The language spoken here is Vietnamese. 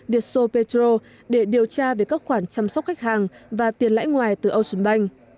vietso petro để điều tra về các khoản chăm sóc khách hàng và tiền lãi ngoài từ ocean bank